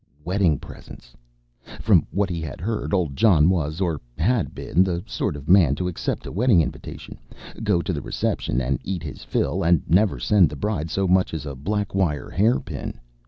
Wedding presents! From what he had heard, old John was or had been the sort of man to accept a wedding invitation, go to the reception and eat his fill, and never send the bride so much as a black wire hairpin.